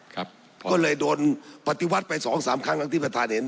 ก็เลยโดนปฏิวัติไปสองสามครั้งอย่างที่ประธานเห็น